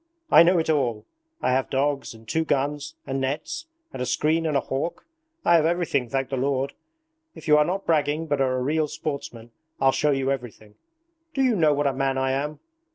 I know it all! I have dogs, and two guns, and nets, and a screen and a hawk. I have everything, thank the Lord! If you are not bragging but are a real sportsman, I'll show you everything. Do you know what a man I am?